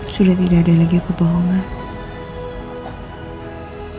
sudah tidak ada lagi aku bohongan